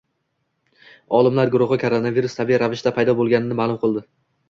Olimlar guruhi koronavirus tabiiy ravishda paydo bo‘lganini ma'lum qildi